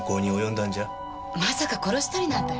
まさか殺したりなんて。